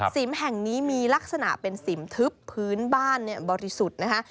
สิมแห่งนี้มีลักษณะเป็นสิมทึบพื้นบ้านบริสุทธิ์นะคะ